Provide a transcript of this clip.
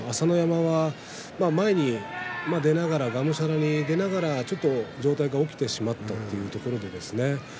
朝乃山は前に出ながらがむしゃらに出ながらちょっと上体が起きてしまったというところです。